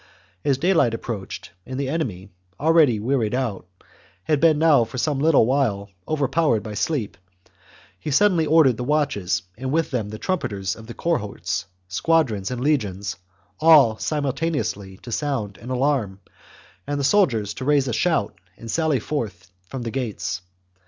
As daylight approached and the enemy, already wearied out, had been now for some little while overpowered by sleep, [he suddenly ordered] the watches and, with them, the trumpeters of the cohorts, squadrons, and legions, all simultaneously [to] sound an alarm, and the soldiers [to] raise a shout and sally forth from the gates.